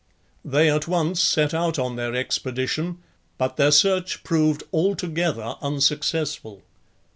They at once set out on their expedition; but their search proved altogether unsuccessful.